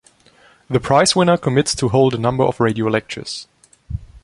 The prizewinner commits to hold a number of radio lectures.